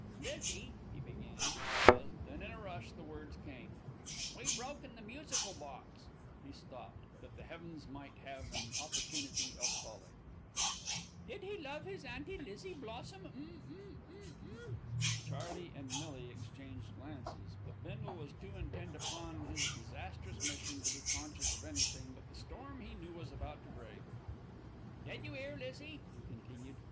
"Lizzie " he began, paused, then in a rush the words came. "We broken the musical box." He stopped, that the heavens might have an opportunity of falling. "Did he love his Auntie Lizzie blossom um um um um." Charley and Millie exchanged glances; but Bindle was too intent upon his disastrous mission to be conscious of anything but the storm he knew was about to break. "Did you 'ear, Lizzie," he continued.